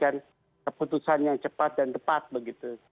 keputusan yang cepat dan tepat begitu